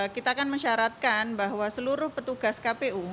kita akan mensyaratkan bahwa seluruh petugas kpu